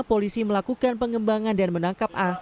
polisi melakukan pengembangan dan menangkap a